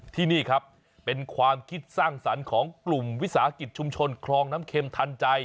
ที่นี่ครับเป็นความคิดสร้างสรรค์ของกลุ่มวิสาหกิจชุมชนคลองน้ำเข็มทันใจ